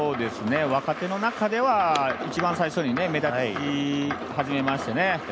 若手の中では一番最初に目立ち始めましてね